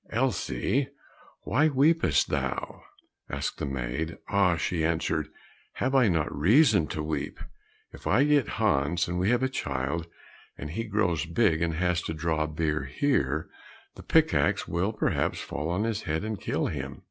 "Elsie, why weepest thou?" asked the maid. "Ah," she answered, "have I not reason to weep? If I get Hans, and we have a child, and he grows big, and has to draw beer here, the pick axe will perhaps fall on his head, and kill him."